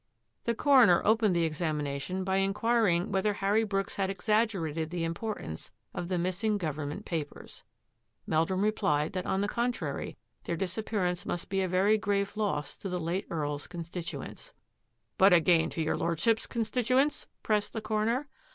The coroner opened the examination by in quiring whether Harry Brooks had exaggerated the importance of the missing government papers. Meldrum replied that on the contrary their dis appearance must be a very grave loss to the late EarPs constituents. " But a gain to your Lordship's constituents? '* pressed the coroner.